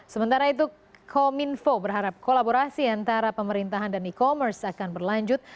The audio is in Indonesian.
sementara itu kominfo berharap kolaborasi antara pemerintahan dan e commerce akan berlanjut